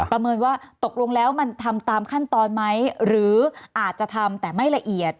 ประเมินว่าตกลงแล้วมันทำตามขั้นตอนไหมหรืออาจจะทำแต่ไม่ละเอียด